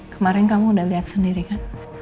kemarin kamu udah lihat sendiri kan